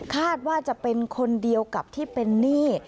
คาดว่าจะเป็นคนเดียวกับที่เป็นหนี้